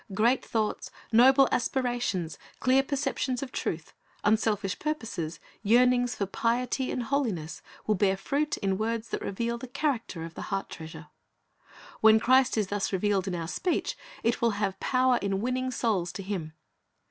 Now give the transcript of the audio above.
Great thoughts, noble aspirations, clear perceptions of truth, unselfish purposes, yearnings for piety and holiness, will bear fruit in words that reveal the character of the heart treasure. When Christ is thus revealed in our speech, it will have power in winning souls to Him.